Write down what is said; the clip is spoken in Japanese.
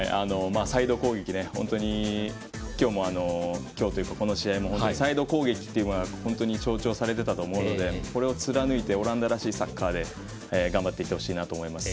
本当に、この試合もサイド攻撃というのが象徴されていたと思うのでこれを貫いてオランダらしいサッカーで頑張ってほしいなと思います。